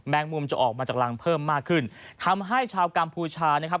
มุมจะออกมาจากรังเพิ่มมากขึ้นทำให้ชาวกัมพูชานะครับ